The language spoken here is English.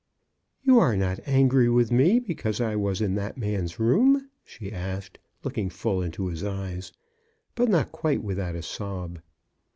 "You are not angry with me because I was in that man's room?" she asked, looking full into his eyes, but not quite without a sob.